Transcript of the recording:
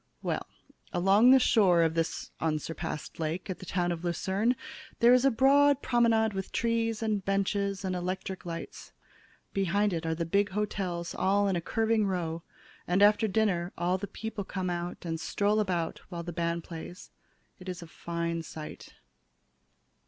"Well, along the shore of this unsurpassed lake at the town of Lucerne there is a broad promenade with trees and benches and electric lights. Behind it are the big hotels all in a curving row, and after dinner all the people come out and stroll about while the band plays. It is a fine sight."